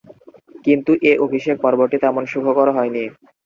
কিন্তু এ অভিষেক পর্বটি তেমন সুখকর হয়নি।